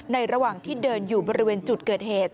ระหว่างที่เดินอยู่บริเวณจุดเกิดเหตุ